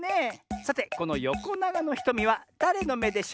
さてこのよこながのひとみはだれのめでしょうか？